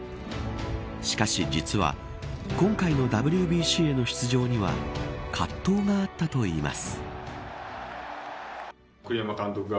しかし、実は今回のＷＢＣへの出場には葛藤があったといいます。